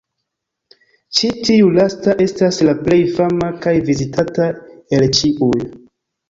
Ĉi tiu lasta estas la plej fama kaj vizitata el ĉiuj.